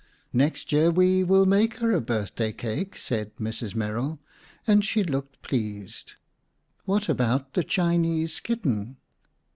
"Next year we will make her a birthday cake," said Mrs. Merrill, and she looked pleased. "What about the Chinese kitten?"